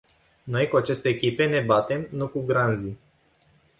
Noi cu aceste echipe ne batem, nu cu granzii.